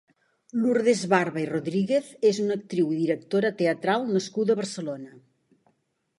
Lurdes Barba i Rodríguez és una actriu i directora teatral nascuda a Barcelona.